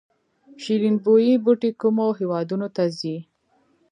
شیرین بویې بوټی کومو هیوادونو ته ځي؟